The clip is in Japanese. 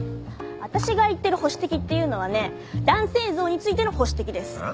私が言ってる保守的っていうのはね男性像についての保守的です。はあ？